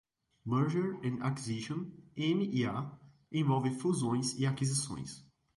Merger and Acquisition (M&A) envolve fusões e aquisições.